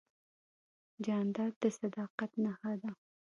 جانداد د صداقت نښه ده.